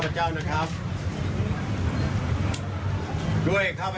ท่านครับ